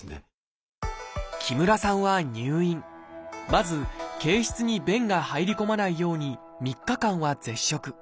まず憩室に便が入り込まないように３日間は絶食。